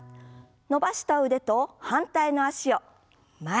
伸ばした腕と反対の脚を前です。